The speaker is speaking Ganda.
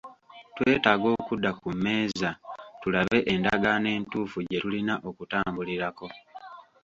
Twetaaga okudda ku mmeeza tulabe endagaano entuufu gye tulina okutambulirako.